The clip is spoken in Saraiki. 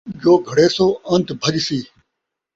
جو گھڑیسو، انت بھڄسی